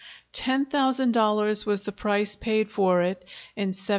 Ten thousand dollars was the price paid for it in 1780.